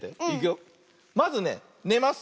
まずねねます。